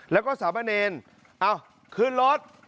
แล้วก็สามเณรเอ้าขึ้นรถ